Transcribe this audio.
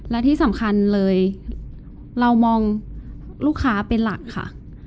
และที่สำคัญเลยเรามองลูกค้าเป็นหลักค่ะ